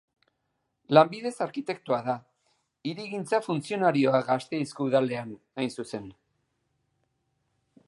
Lanbidez arkitektoa da; hirigintza-funtzionarioa Gasteizko Udalean, hain zuzen.